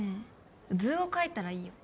図を描いたらいいよ